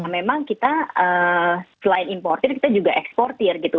memang kita selain importer kita juga eksportir gitu